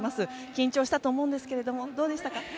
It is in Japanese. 緊張したと思うんですけどどうでしたか？